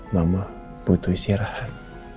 mama butuh istirahat